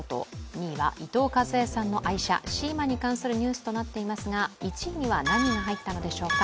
２位は伊藤かずえさんの愛車、シーマに関するニュースとなっていますが１位には何が入ったのでしょうか。